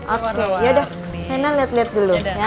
oke yaudah reina liat liat dulu